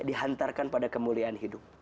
dihantarkan pada kemuliaan